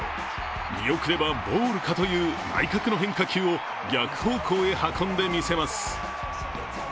見送ればボールかという内角の変化球を逆方向へ運んでみせます。